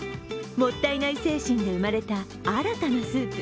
もったいない精神で生まれた新たなスープ。